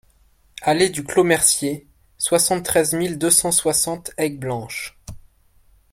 Allée du Clos Mercier, soixante-treize mille deux cent soixante Aigueblanche